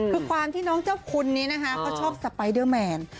คือความที่น้องเจ้าคุณนี้นะคะเขาชอบสไปเดอร์แมน